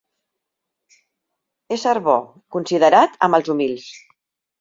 Ésser bo, considerat, amb els humils.